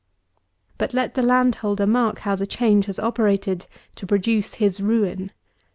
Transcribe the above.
But let the landholder mark how the change has operated to produce his ruin.